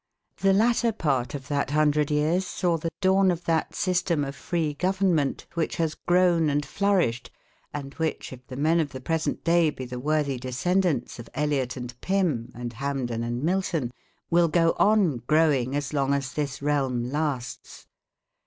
The latter part of that 100 years saw the dawn of that system of free government which has grown and flourished, and which, if the men of the present day be the worthy descendants of Eliott and Pym, and Hampden and Milton, will go on growing as long as this realm lasts.